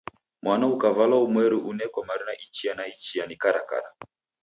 Mwana ukavalwa umweri uneko marina ichia na ichia ni karakara.